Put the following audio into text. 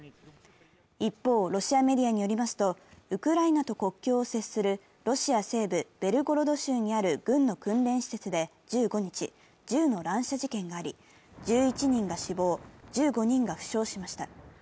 一方、ロシアメディアによりますとウクライナと国境を接するロシア西部ベルゴロ度州にある軍の訓練施設で１５日、銃の乱射事件があり、１１人が死亡、１５人が負傷しました。